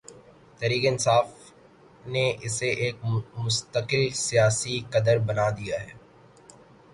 تحریک انصاف نے اسے ایک مستقل سیاسی قدر بنا دیا ہے۔